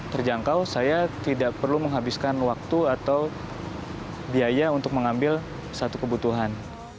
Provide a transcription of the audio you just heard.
terjangkau saya tidak perlu menghabiskan waktu atau biaya untuk mengambil satu kebutuhan